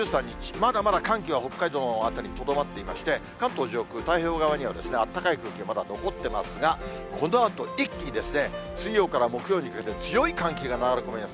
まだまだ寒気は北海道の辺りにとどまっていまして、関東上空、太平洋側にはあったかい空気まだ残ってますが、このあと一気に、水曜から木曜にかけて、強い寒気が流れ込みます。